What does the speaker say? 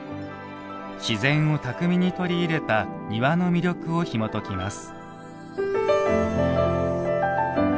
自然を巧みに取り入れた庭の魅力をひもときます。